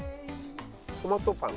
トマトパン？